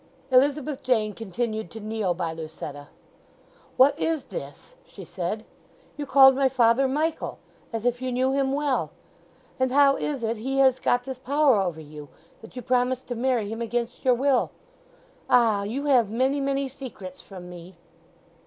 Elizabeth Jane continued to kneel by Lucetta. "What is this?" she said. "You called my father 'Michael' as if you knew him well? And how is it he has got this power over you, that you promise to marry him against your will? Ah—you have many many secrets from me!"